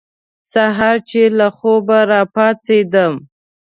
سهار چې له خوبه را پاڅېدم.